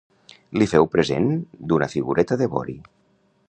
Li feu present d'una figureta de vori.